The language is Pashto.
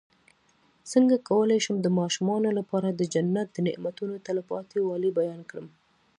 څنګه کولی شم د ماشومانو لپاره د جنت د نعمتو تلپاتې والی بیان کړم